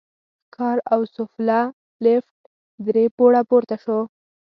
ښکار او سوفله، لېفټ درې پوړه پورته شو.